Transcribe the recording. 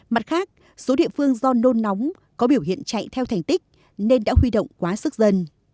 mặt khác số địa phương do nôn nóng có biểu hiện chạy theo thành tích nên đã huy động quá sức dân